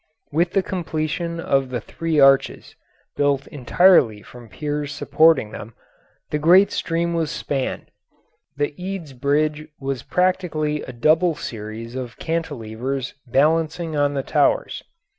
With the completion of the three arches, built entirely from the piers supporting them, the great stream was spanned. The Eads Bridge was practically a double series of cantilevers balancing on the towers.